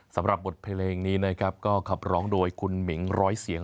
สำหรับบทเพลงนี้นะครับก็ขับร้องโดยคุณหมิงร้อยเสียง